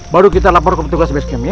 baru kita lapor ke petugas base camp ya